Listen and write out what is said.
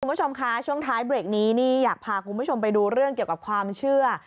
คุณผู้ชมคะช่วงท้ายเบรกนี้นี่อยากพาคุณผู้ชมไปดูเรื่องเกี่ยวกับความเชื่อ